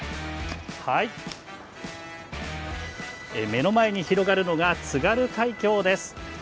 目の前に広がるのが津軽海峡です。